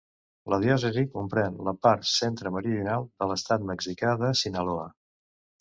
La diòcesi comprèn la part centre-meridional de l'estat mexicà de Sinaloa.